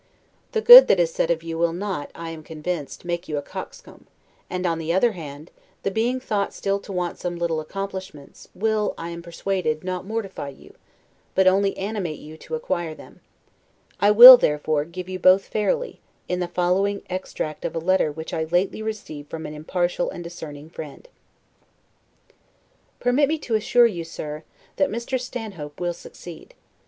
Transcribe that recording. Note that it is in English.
The good that is said of you will not, I am convinced, make you a coxcomb; and, on the other hand, the being thought still to want some little accomplishments, will, I am persuaded, not mortify you, but only animate you to acquire them: I will, therefore, give you both fairly, in the following extract of a letter which I lately received from an impartial and discerning friend: "Permit me to assure you, Sir, that Mr. Stanhope will succeed.